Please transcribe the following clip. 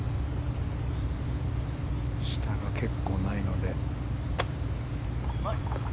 下が結構ないので。